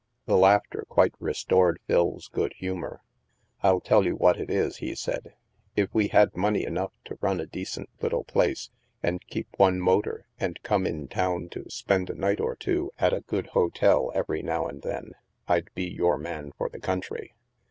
The laughter quite restored Phil's good humor. " I'll tell you what it is," he said, " if we had money enough to run a decent little place, and keep one motor, and come in town to spend a night or THE MAELSTROM 195 two at a good hotel every now and then, I'd be your man for the country.